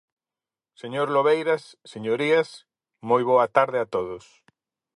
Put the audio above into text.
Señor Lobeiras, señorías, moi boa tarde a todos.